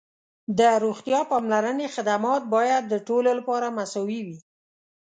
د روغتیا پاملرنې خدمات باید د ټولو لپاره مساوي وي.